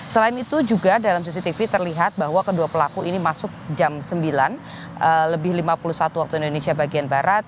selain itu juga dalam cctv terlihat bahwa kedua pelaku ini masuk jam sembilan lebih lima puluh satu waktu indonesia bagian barat